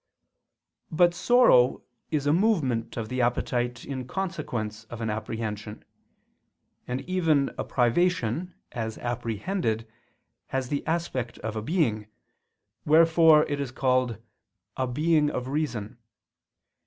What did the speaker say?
But sorrow is a movement of the appetite in consequence of an apprehension: and even a privation, as apprehended, has the aspect of a being, wherefore it is called "a being of reason."